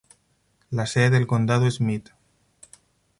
La sede del condado es Meade.